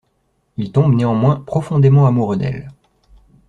Il tombe néanmoins profondément amoureux d'elle.